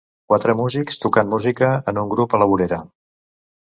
Quatre músics tocant música en un grup a la vorera.